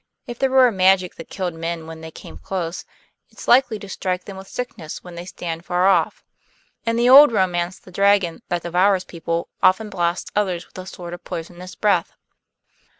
"If there were a magic that killed men when they came close, it's likely to strike them with sickness when they stand far off. In the old romance the dragon, that devours people, often blasts others with a sort of poisonous breath."